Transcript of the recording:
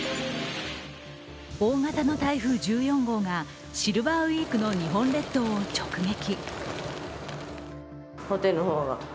大型の台風１４号がシルバーウイークの日本列島を直撃。